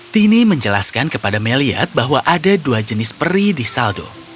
tini menjelaskan kepada meliad bahwa ada dua jenis peri di saldo